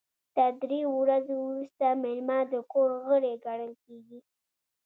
تر دریو ورځو وروسته میلمه د کور غړی ګڼل کیږي.